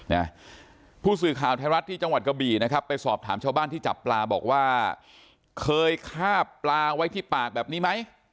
นะผู้สื่อข่าวไทยรัฐที่จังหวัดกะบี่นะครับไปสอบถามชาวบ้านที่จับปลาบอกว่าเคยฆ่าปลาไว้ที่ปากแบบนี้ไหม